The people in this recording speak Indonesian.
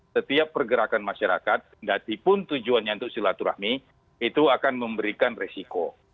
setiap pergerakan masyarakat dan pun tujuannya untuk silaturahmi itu akan memberikan risiko